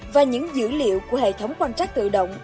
và những dữ liệu của hệ thống quan trắc tự động